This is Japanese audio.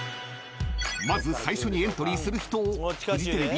［まず最初にエントリーする人をフジテレビ駐車場で待ち伏せ］